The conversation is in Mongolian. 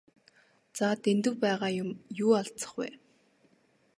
За Дэндэв байгаа юм юу алзах вэ?